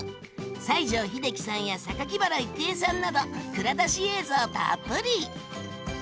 西城秀樹さんや原郁恵さんなど蔵出し映像たっぷり！